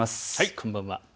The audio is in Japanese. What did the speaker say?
こんばんは。